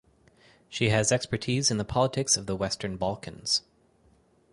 She has expertise in the politics of the Western Balkans.